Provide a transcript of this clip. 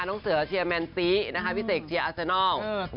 น้องเสือเชียร์แมนซีนะคะพี่เสกเชียร์อาเซนัล